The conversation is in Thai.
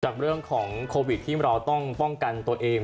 จากเรื่องของโควิดที่เราต้องป้องกันตัวเอง